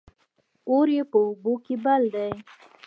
اور يې په اوبو کې بل دى